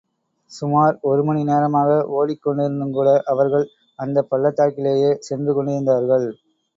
சுமார் ஒருமணி நேரமாக ஓடிக் கொண்டிருந்துங்கூட அவர்கள் அந்த பள்ளத்தாக்கிலேயே சென்று கொண்டிருந்தார்கள்.